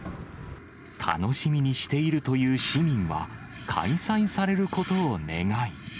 楽しみにしているという市民は、開催されることを願い。